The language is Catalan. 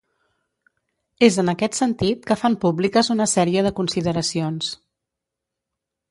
És en aquest sentit que fan públiques una sèrie de consideracions.